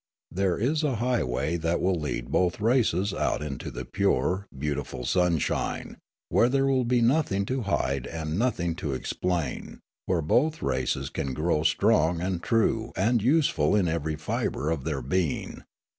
There is a highway that will lead both races out into the pure, beautiful sunshine, where there will be nothing to hide and nothing to explain, where both races can grow strong and true and useful in every fibre of their being.